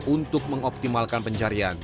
untuk mengoptimalkan pencarian